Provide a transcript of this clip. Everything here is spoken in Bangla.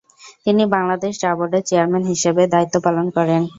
তিনি বাংলাদেশ চা বোর্ডের চেয়ারম্যান হিসাবে দায়িত্ব পালন করেন।